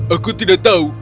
aku tidak tahu